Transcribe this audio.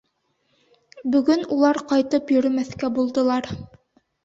Бөгөн улар ҡайтып йөрөмәҫкә булдылар.